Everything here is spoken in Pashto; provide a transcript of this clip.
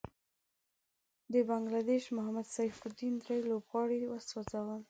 د بنګله دېش محمد سيف الدين دری لوبغاړی وسوځل.